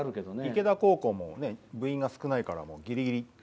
池田高校も部員が少ないからギリギリでね。